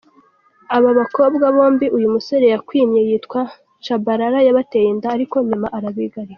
Aba bakobwa bombi uyu musore wakinnye yitwa Chabalala yabateye inda ariko nyuma arabigarika.